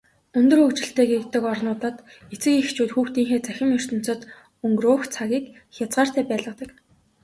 Өндөр хөгжилтэй гэгддэг орнуудад эцэг эхчүүд хүүхдүүдийнхээ цахим ертөнцөд өнгөрөөх цагийг хязгаартай байлгадаг.